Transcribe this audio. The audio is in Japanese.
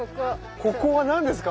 ここは何ですか？